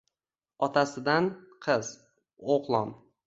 Otasidan — qiz, o’g’lon